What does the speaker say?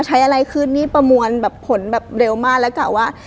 ใช้อะไรขึ้นนี่ประมวลแบบผลแบบเร็วมากแล้วกะว่า